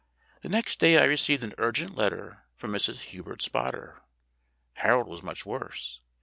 The next day I received an urgent letter from Mrs. Hubert Spotter. Harold was much worse.